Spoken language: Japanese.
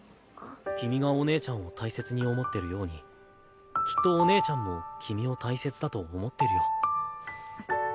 君がお姉ちゃんを大切に思ってるようにきっとお姉ちゃんも君を大切だと思ってるよ。